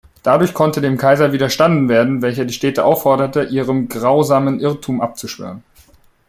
Dadurch konnte dem Kaiser widerstanden werden, welcher die Städte aufforderte, ihrem "grausamen Irrtum" abzuschwören.